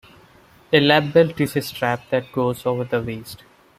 A lap belt is a strap that goes over the waist.